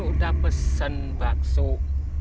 udah pesen mbak soe